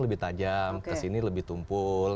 lebih tajam ke sini lebih tumpul